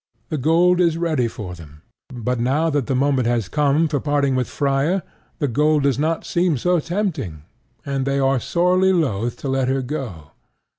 The gold is ready for them; but now that the moment has come for parting with Freia the gold does not seem so tempting; and they are sorely loth to let her go.